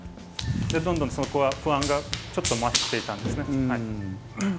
どんどんそこは不安がちょっと増していたんですね。